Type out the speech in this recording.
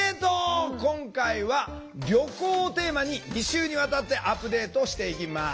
今回は旅行をテーマに２週にわたってアップデートをしていきます！